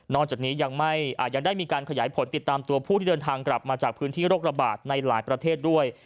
จากนี้ยังได้มีการขยายผลติดตามตัวผู้ที่เดินทางกลับมาจากพื้นที่โรคระบาดในหลายประเทศด้วย